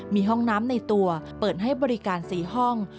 มีห้องน้ำในตัวเปิดให้บริการ๔ห้อง